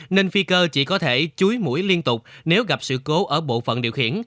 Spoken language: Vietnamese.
nên phi cơ chỉ có thể chuối mũi liên tục nếu gặp sự cố ở bộ phận điều khiển